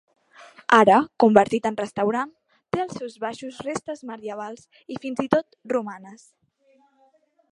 Ara convertit en restaurant, té als seus baixos restes medievals i fins i tot romanes.